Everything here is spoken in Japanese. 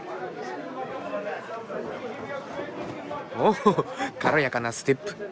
お軽やかなステップ。